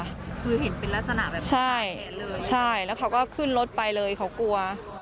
คือเห็นเป็นลักษณะแบบใช่เลยใช่แล้วเขาก็ขึ้นรถไปเลยเขากลัว